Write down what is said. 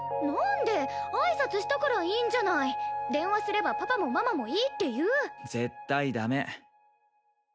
何で挨拶したからいいんじゃない電話すればパパもママもいいって言う絶対ダメ